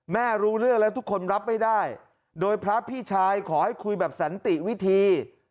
รู้เรื่องแล้วทุกคนรับไม่ได้โดยพระพี่ชายขอให้คุยแบบสันติวิธี